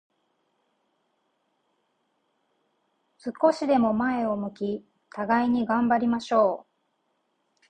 少しでも前を向き、互いに頑張りましょう。